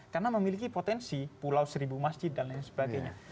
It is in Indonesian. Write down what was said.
karena memiliki potensi pulau seribu masjid dan lain sebagainya